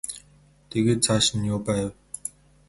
Тэгээд цааш нь юу байв?